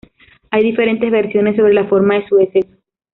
Hay diferentes versiones sobre la forma de su deceso.